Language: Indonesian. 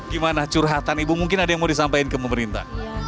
gimana curhatan ibu mungkin ada yang mau disampaikan ke pemerintah